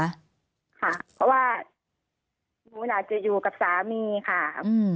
ค่ะเพราะว่าหนูอาจจะอยู่กับสามีค่ะ